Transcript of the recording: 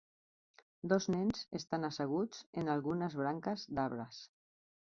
Dos nens estan asseguts en algunes branques d'arbres.